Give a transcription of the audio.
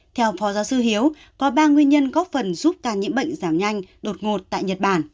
theo phó giáo sư hiếu có ba nguyên nhân góp phần giúp ca nhiễm bệnh giảm nhanh đột ngột tại nhật bản